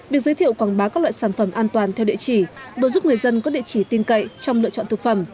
việc giới thiệu quảng bá các loại sản phẩm an toàn theo địa chỉ vừa giúp người dân có địa chỉ tin cậy trong lựa chọn thực phẩm